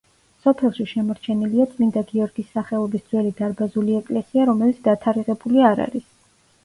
სოფელში შემორჩენილია წმინდა გიორგის სახელობის ძველი დარბაზული ეკლესია, რომელიც დათარიღებული არ არის.